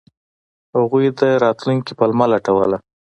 هغوی د راتلونکي پلمه لټوله.